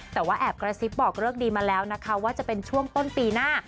แต่ว่าแอบกระซิบบอกเลิกดีมาแล้วนะคะว่าจะเป็นช่วงต้นปีหน้า